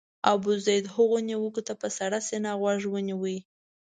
ابوزید هغو نیوکو ته په سړه سینه غوږ ونیو.